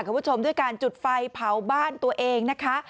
คุณผู้ชมด้วยการจุดไฟเผาบ้านตัวเองนะคะ